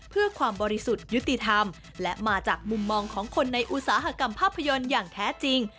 เพื่อความบริสุทธิ์ยุติธรรมและมาจากมุมมองของคนในอุตสาหกรรมภาพยนตร์อย่างแท้จริง